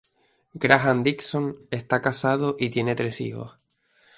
Graham-Dixon está casado y tiene tres hijos.